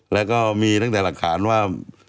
แล้วก็มีตั้งแต่หลักฐานว่า